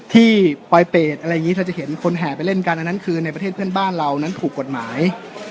ปลอยเปรตอะไรอย่างนี้เราจะเห็นคนแห่ไปเล่นกันอันนั้นคือในประเทศเพื่อนบ้านเรานั้นถูกกฎหมาย